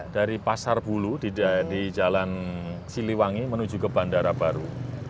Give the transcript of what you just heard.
dari pasar bulu di jalan siliwangi menuju ke bandara baru